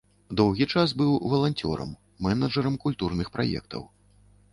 Доўгі час быў валанцёрам, менеджарам культурных праектаў.